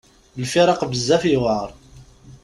Lfiraq bezzaf yewɛer.